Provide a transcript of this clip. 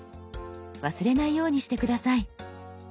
忘れないようにして下さい。